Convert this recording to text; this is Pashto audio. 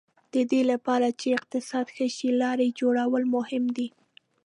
د دې لپاره چې اقتصاد ښه شي لارې جوړول مهم دي.